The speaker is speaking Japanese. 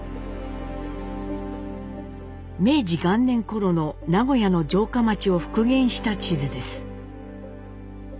明治元年ころの名古屋の城下町を復元した地図です。